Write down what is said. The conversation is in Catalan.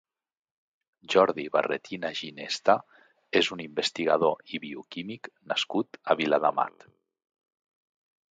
Jordi Barretina Ginesta és un investigador i bioquímic nascut a Viladamat.